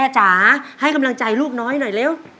จ๋าให้กำลังใจลูกน้อยหน่อยเร็ว